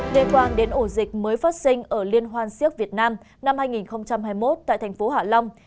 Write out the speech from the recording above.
liên quan đến ổ dịch mới phát sinh ở liên hoan siếc việt nam năm hai nghìn hai mươi một tại thành phố hạ long